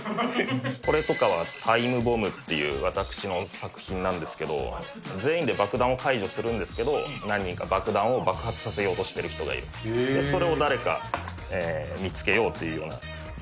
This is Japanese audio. これとかはタイムボムっていう、私の作品なんですけど、全員で爆弾を解除するんですけど、何人か爆弾を爆発させようとしている人がいる、それを誰か見つけおもしろそう。